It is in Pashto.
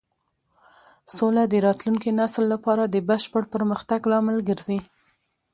سوله د راتلونکي نسل لپاره د بشپړ پرمختګ لامل ګرځي.